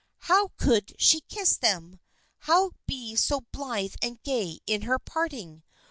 How could she kiss them? How be so blithe and gay in her parting?